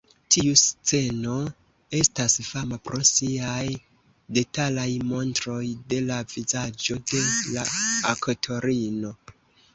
Tiu sceno estas fama pro siaj detalaj montroj de la vizaĝo de la aktorino.